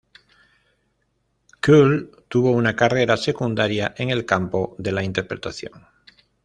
Cole tuvo una carrera secundaria en el campo de la interpretación.